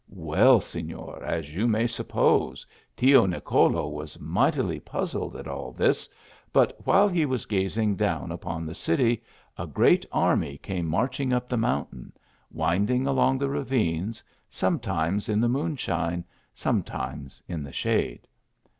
Well, Sefior, as you may sup pose, Tio Nicolo was mightily puzzled at all this, but while he was gazing down upon the city, a great army came marching up the mountain; winding along the ravines, sometimes in the moonshine, sometimes in the shade.